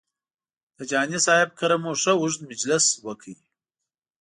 د جهاني صاحب کره مو ښه اوږد مجلس وکړ.